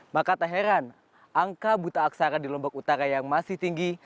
maka tak heran angka buta aksara di lombok utara yang masih tinggi